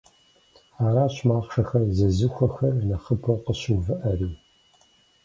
Аращ махъшэхэр зезыхуэхэр нэхъыбэу къыщыувыӏэри.